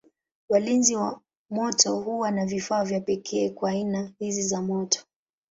Walinzi wa moto huwa na vifaa vya pekee kwa aina hizi za moto.